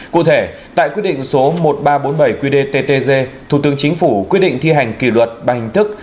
cụ thể tại quyết định số một nghìn ba trăm bốn mươi bảy qdttg thủ tướng chính phủ quyết định thi hành kỷ luật bằng hình thức